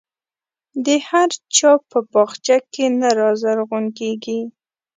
د هر چا په باغچه کې نه رازرغون کېږي.